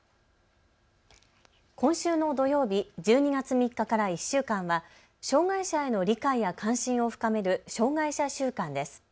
今週の土曜日、１２月３日から１週間は障害者への理解や関心を深める障害者週間です。